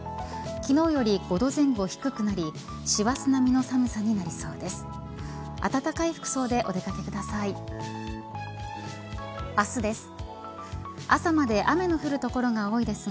昨日より５度前後低くなり師走並みの寒さになりそうです。